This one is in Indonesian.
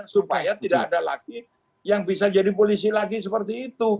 supaya tidak ada lagi yang bisa jadi polisi lagi seperti itu